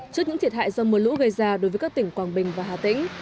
trước những thiệt hại do mưa lũ gây ra đối với các tỉnh quảng bình và hà tĩnh